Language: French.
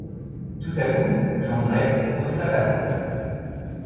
Tout à coup Jondrette haussa la voix.